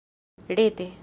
rete